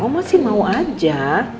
oma sih mau aja